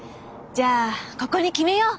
じゃあここに決めよう！